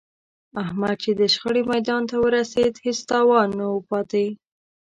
احمد چې د شخړې میدان ته ورسېد، هېڅ نه و پاتې